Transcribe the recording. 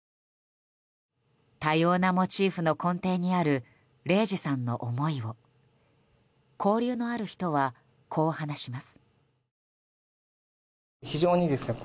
多様なモチーフの根底にある零士さんの思いを交流のある人は、こう話します。